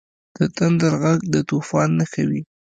• د تندر ږغ د طوفان نښه وي.